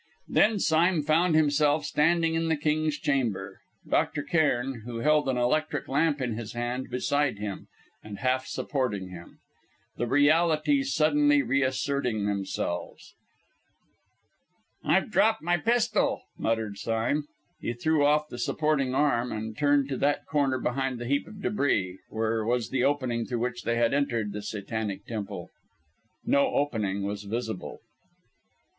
Then Sime found himself standing in the King's Chamber, Dr. Cairn, who held an electric lamp in his hand, beside him, and half supporting him. The realities suddenly reasserting themselves, "I have dropped my pistol!" muttered Sime. He threw off the supporting arm, and turned to that corner behind the heap of débris where was the opening through which they had entered the Satanic temple. No opening was visible!